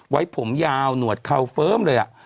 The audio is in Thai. ไว้ผมยาวหนวดเขาเฟิร์มเลย